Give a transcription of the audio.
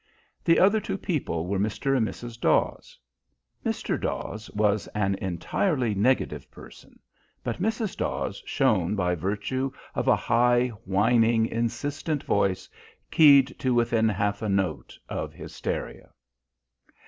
The other two people were Mr. and Mrs. Dawes. Mr. Dawes was an entirely negative person, but Mrs. Dawes shone by virtue of a high, whining, insistent voice, keyed to within half a note of hysteria.